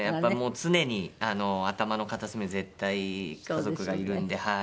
常に頭の片隅に絶対家族がいるんではい。